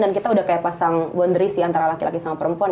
dan kita udah kayak pasang bondrisi antara laki laki sama perempuan